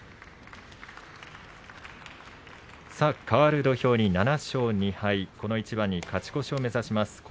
かわる土俵に７勝２敗この一番に勝ち越しを目指します